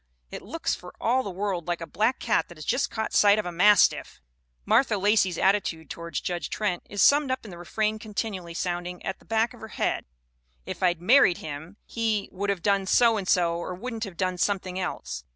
It looks for all the world like a black cat that has just caught sight of a mastiff/ " Martha Lacey's attitude toward Judge Trent is summed up in the refrain continually sounding at the back of her head: " 'If I'd married him, he' " would have done so and so or wouldn't have done something else.